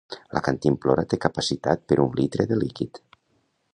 La cantimplora té capacitat per un litre de líquid.